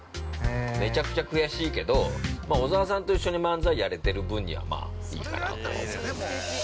めちゃくちゃ悔しいけど小沢さんと一緒に漫才やれてる分には、まあいいかなとは思う。